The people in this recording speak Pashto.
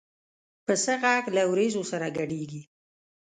پسه غږ له وریځو سره ګډېږي.